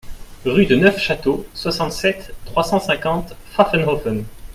Rue de Neufchâteau, soixante-sept, trois cent cinquante Pfaffenhoffen